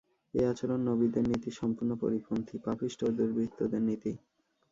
এ আচরণ নবীদের নীতির সম্পূর্ণ পরিপন্থী—পাপিষ্ঠ ও দুবৃত্তদের নীতি।